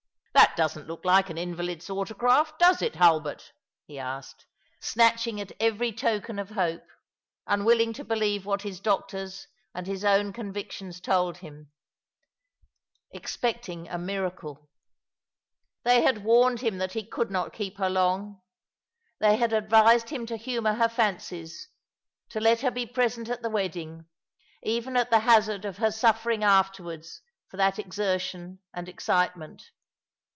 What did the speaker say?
"That doesn't look like an invalid's autograph, does it, Hulbert?" he asked, snatching at every token of hope, nnwilling to believe what his doctors and his own convictions told him — expecting a miracle. u 590 All along the River » They had warned him that he could not keep her long. They had advised him to humour her fancies, to let her be present at the wedding, even at the hazard of her suffering afterwards for that exertion and excitement.